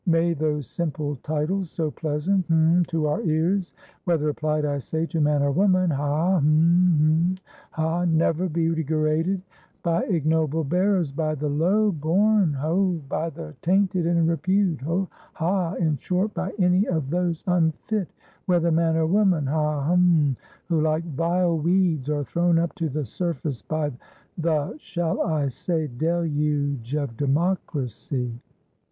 May those simple titles, so pleasanthumto our ears, whether applied, I say, to man or womanhahumhanever be degraded by ignoble bearers, by the low bornhaby the tainted in reputehain short by any of those unfit, whether man or womanhahumwho, like vile weeds, are thrown up to the surface by the, shall I say, deluge of democracy."